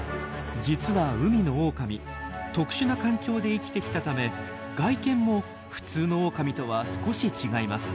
実は海のオオカミ特殊な環境で生きてきたため外見も普通のオオカミとは少し違います。